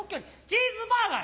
チーズバーガー！